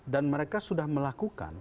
dan mereka sudah melakukan